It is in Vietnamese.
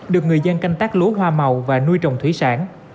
được người dân canh tác lúa hoa màu và nuôi trồng thủy sản